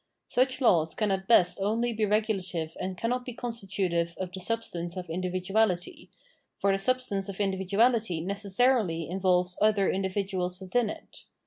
Such laws can at best only be regulative and cannot be constitutive of the substance of individuality ; for the sub stance of individuality necessarily involves other individuals within it.